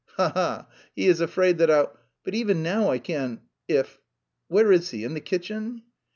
"Ha ha! He is afraid that I'll... But even now I can... if... Where is he, in the kitchen?"